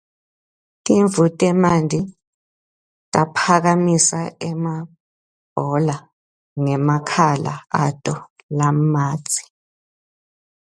Timvu temanti taphakamisa emabhola ngemakhala ato lamadze.